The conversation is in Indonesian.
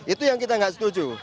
itu yang kita nggak setuju